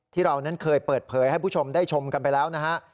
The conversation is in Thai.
ที่เรานั้นเคยเปิดเผยให้ผู้ชมได้ชมกันไปแล้วนะฮะ